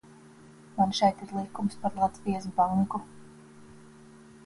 Man šeit ir likums par Latvijas Banku.